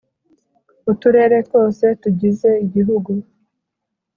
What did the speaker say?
Uturere twose tugize Igihugu